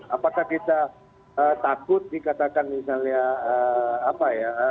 apakah kita takut dikatakan misalnya apa ya